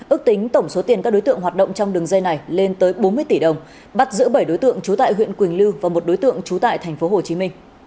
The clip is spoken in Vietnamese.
ước tính tổng số tiền các đối tượng hoạt động trong đường dây này lên tới bốn mươi tỷ đồng bắt giữ bảy đối tượng trú tại huyện quỳnh lưu và một đối tượng trú tại tp hcm